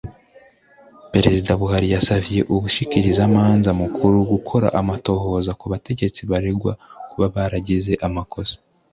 Prezida Buhari yasavye Umushikirizamanza mukuru gukora amatohoza ku bategetsi baregwa kuba baragize amakosa